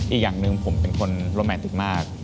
อีกอย่างหนึ่งผมเป็นคนโรแมนติกมาก